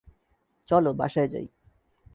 চলো, বাসায় যাই।